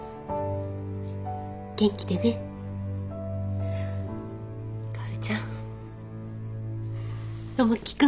元気でね薫ちゃん友樹君。